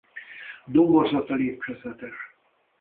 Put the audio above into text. Domborzata lépcsőzetes.